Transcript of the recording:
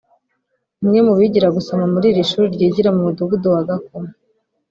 umwe mu bigira gusoma muri iri shuli ryigira mu mudugudu wa Gakoma